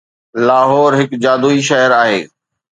لاهور هڪ جادوئي شهر آهي